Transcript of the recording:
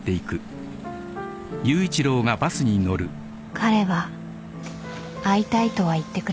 ［彼は会いたいとは言ってくれませんでした］